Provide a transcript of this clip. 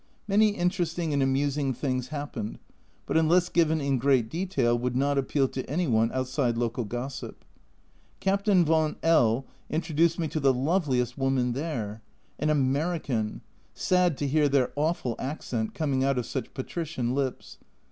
Many interesting and amusing things happened, but unless given in great detail would not appeal to any one outside local gossip. Captain von L intro duced me to the loveliest woman there an American (sad to hear their awful accent coming out of such patrician lips